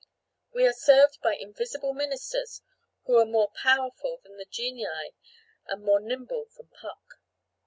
We are served by invisible ministers who are more powerful than the genii and more nimble than Puck.